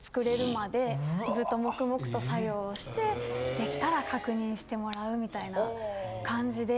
出来たら確認してもらうみたいな感じで。